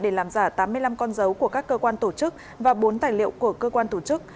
để làm giả tám mươi năm con dấu của các cơ quan tổ chức và bốn tài liệu của cơ quan tổ chức